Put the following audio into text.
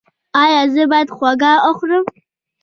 ایا زه باید هوږه وخورم؟